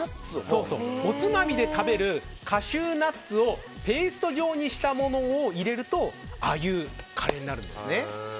おつまみで食べるカシューナッツをペースト状にしたものを入れるとああいうカレーになるんですね。